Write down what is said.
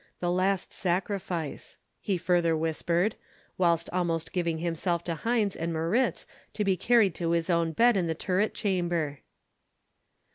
The last sacrifice," he further whispered, whilst almost giving himself to Heinz and Moritz to be carried to his own bed in the turret chamber.